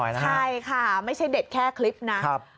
ใช่ค่ะไม่ใช่เด็ดแค่คลิปนะ